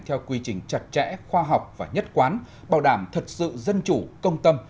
theo quy trình chặt chẽ khoa học và nhất quán bảo đảm thật sự dân chủ công tâm